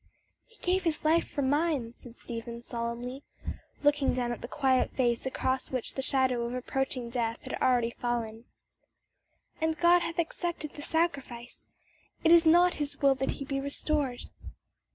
"He gave his life for mine," said Stephen, solemnly, looking down at the quiet face across which the shadow of approaching death had already fallen. "And God hath accepted the sacrifice; it is not his will that he be restored.